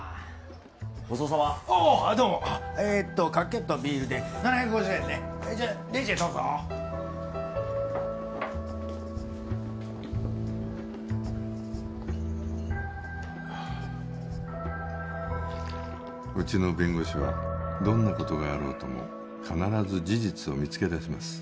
ごちそうさまおおどうもかけとビールで７５０円ねじゃレジへどうぞうちの弁護士はどんなことがあろうとも必ず事実を見つけ出します